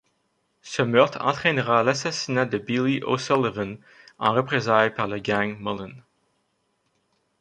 Ce meurtre entrainera l'assassinat de Billy O'Sullivan en représailles par le gang Mullen.